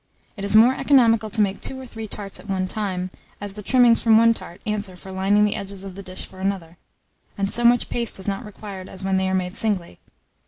It is more economical to make two or three tarts at one time, as the trimmings from one tart answer for lining the edges of the dish for another, and so much paste is not required as when they are made singly.